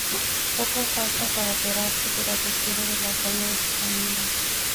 Poco falta para operarse, pero requiere del apoyo de su familia.